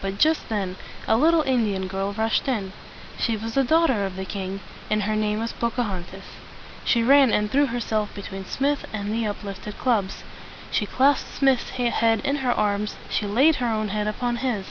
But just then a little Indian girl rushed in. She was the daugh ter of the king, and her name was Po ca hon´tas. She ran and threw herself between Smith and the up lift ed clubs. She clasped Smith's head with her arms. She laid her own head upon his.